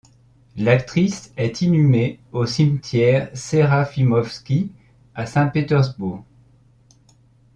L'actrice est inhumée au cimetière Serafimovski à Saint-Pétersbourg.